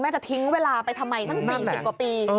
จะทิ้งเวลาไปทำไมสัก๔๐กว่าปี